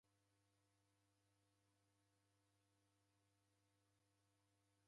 Lukundo lwake lwanimeria ndighi